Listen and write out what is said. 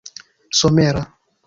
somera